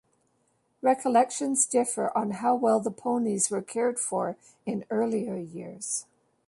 Recollections differ on how well the ponies were cared for in earlier years.